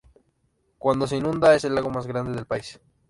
Cuando se inunda, es el lago más grande del país.